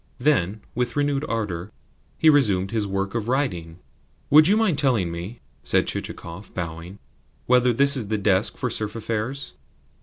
Then, with renewed ardour, he resumed his work of writing. "Would you mind telling me," said Chichikov, bowing, "whether this is the desk for serf affairs?"